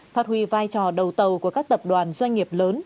phát huy vai trò đầu tàu của các tập đoàn doanh nghiệp lớn